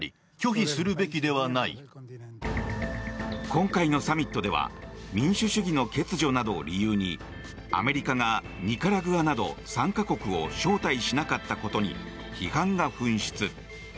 今回のサミットでは民主主義の欠如などを理由にアメリカがニカラグアなど３か国を招待しなかったことに批判が噴出。